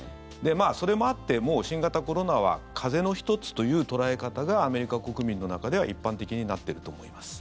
それもあって、もう新型コロナは風邪の１つという捉え方がアメリカ国民の中では一般的になっていると思います。